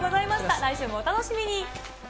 来週もお楽しみに。